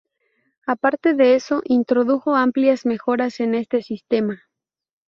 Aparte de eso, introdujo amplias mejoras en este sistema.